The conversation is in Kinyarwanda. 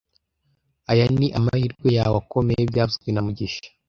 Aya ni amahirwe yawe akomeye byavuzwe na mugisha